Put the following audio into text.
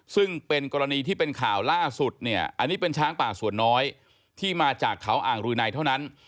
ซึ่งเป็นกรณีที่เป็นข่าวล่าสุดเนี่ยอันนี้เป็นช้างป่าส่วนน้อยที่มาจากเขาอ่างรืนัยเท่านั้น